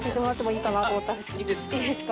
いいですか？